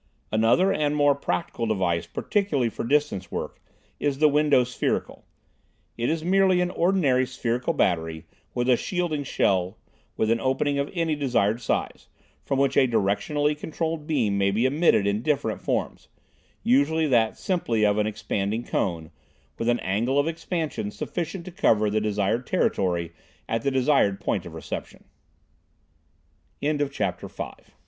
Another, and more practical device particularly for distance work, is the window spherical. It is merely an ordinary spherical battery with a shielding shell with an opening of any desired size, from which a directionally controlled beam may be emitted in different forms, usually that simply of an expanding cone, with an angle of expansion sufficient to cover the desired territory at the desire